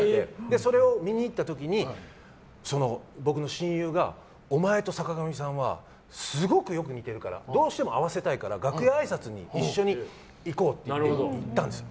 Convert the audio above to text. それを見に行った時に僕の親友がお前と坂上さんはすごくよく似てるからどうしても会わせたいから楽屋あいさつに一緒に行こうって行ったんです。